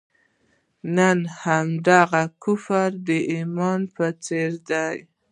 نن همدغه کفر د ایمان په څېر دی.